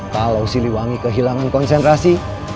kalau siliwangi kehilangan konsentrasi